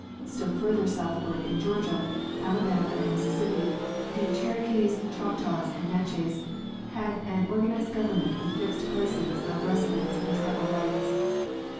Still further southward, in Georgia, Alabama, and Mississippi, the Cherokees, Chocktaws, and Natches had an organized government with fixed places of residence and tribal rights.